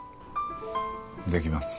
できます。